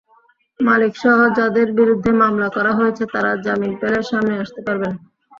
মালিকসহ যাঁদের বিরুদ্ধে মামলা করা হয়েছে, তাঁরা জামিন পেলে সামনে আসতে পারবেন।